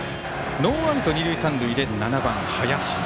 ノーアウト、二塁三塁で７番、林。